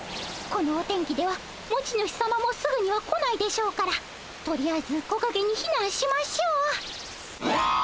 このお天気では持ち主さまもすぐには来ないでしょうからとりあえず木かげにひなんしましょう。